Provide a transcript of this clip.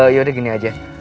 yaudah gini aja